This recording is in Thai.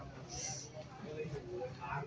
สวัสดีทุกคน